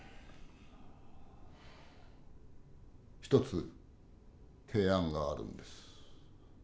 一つ提案があるんです。